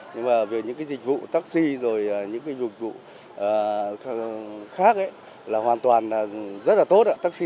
nhưng mà những dịch vụ taxi và những dịch vụ khác là hoàn toàn rất là tốt